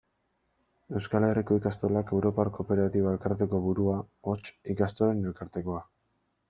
Euskal Herriko Ikastolak europar kooperatiba-elkarteko burua, hots, Ikastolen Elkartekoa.